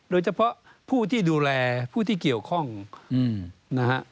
โดยเฉพาะผู้ที่ดูแลผู้ที่เกี่ยวข้องนะฮะ